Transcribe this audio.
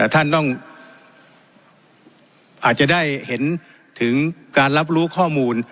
ท่านต้องอาจจะได้เห็นถึงการรับรู้ข้อมูล